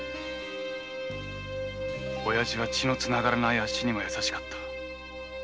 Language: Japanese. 親父は血のつながらないあっしにも優しかった。